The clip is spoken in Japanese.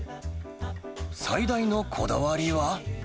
最大のこだわりは。